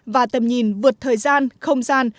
và tầm nhìn vượt thời gian không gian